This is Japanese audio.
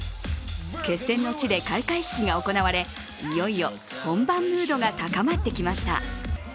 決戦の地で開会式が行われ、いよいよ本番ムードが高まってきました。